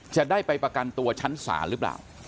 จะได้ไปประกันตัวชั้นศาลหรือเปล่า